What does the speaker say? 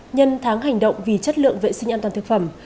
nhân tháng hành động vì chất lượng vệ sinh an toàn thực phẩm